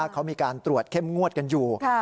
เขามีการตรวจเข้มงวดกันอยู่